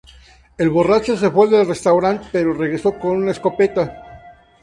El borracho se fue del restaurante, pero regresó con una escopeta.